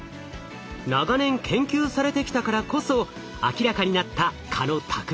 長年研究されてきたからこそ明らかになった